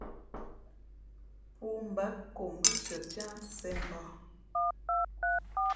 Pōō mbǎ nko ngʉ́siα piā sēn mbǒh.